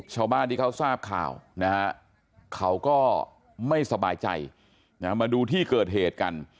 ชาวบ้านที่เขาทราบข่าวนะฮะเขาก็ไม่สบายใจมาดูที่เกิดเหตุกัน